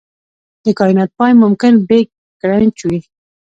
د کائنات پای ممکن بیګ کرنچ وي.